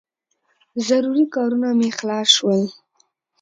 ضروري کارونه مې خلاص شول.